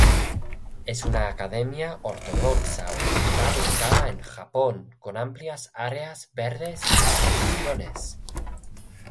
Es una academia Ortodoxa Oriental ubicada en Japón, con amplias áreas verdes y edificaciones.